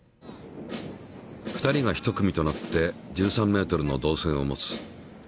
２人が１組となって１３ｍの導線を持つ。